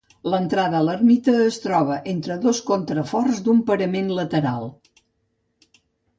L'entrada a l'ermita es troba entre dos contraforts d'un parament lateral.